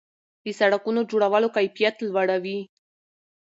د سړکونو جوړولو کیفیت لوړ وي.